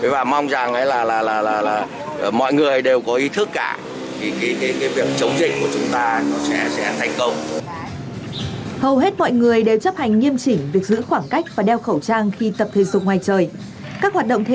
và mong rằng là mọi người đều có ý thức cả thì cái việc chống dịch của chúng ta nó sẽ thành công